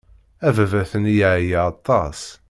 Ababat-nni yeɛya aṭas.